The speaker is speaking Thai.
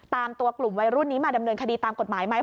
ตามตัวกลุ่มวัยรุ่นนี้มาดำเนินคดีตามกฎหมายไหม